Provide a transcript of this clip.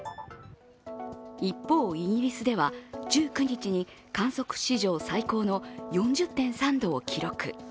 一方、イギリスでは１９日に観測史上最高の４０．３度を記録。